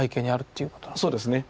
そうですね。